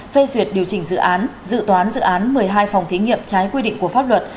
phê duyệt điều chỉnh dự án dự toán dự án một mươi hai phòng thí nghiệm trái quy định của pháp luật